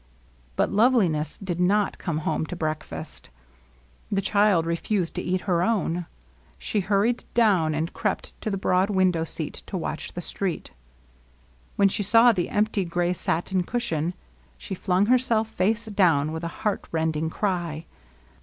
But Loyeliness did not come home to breakfast. The child refused to eat her own. She hurried down and crept to the broad window seat; to watch the street. When she saw the empty gray satin cushion, she flung herself face down with a heart rending cry.